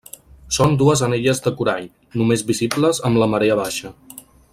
Són dues anelles de corall, només visibles amb la marea baixa.